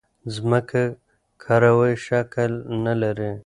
ځمکه کروی شکل نه لري.